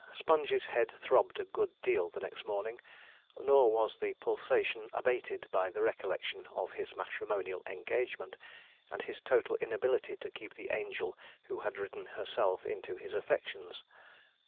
Sponge's head throbbed a good deal the next morning; nor was the pulsation abated by the recollection of his matrimonial engagement, and his total inability to keep the angel who had ridden herself into his affections.